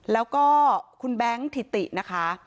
แล้วก็คุณแบงค์ถิตินะคะ